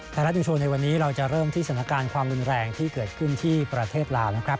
ไทยรัฐนิวโชว์ในวันนี้เราจะเริ่มที่สถานการณ์ความรุนแรงที่เกิดขึ้นที่ประเทศลาวนะครับ